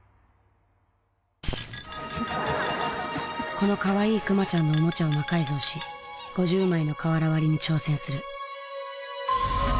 このかわいいクマちゃんのおもちゃを魔改造し５０枚の瓦割りに挑戦する。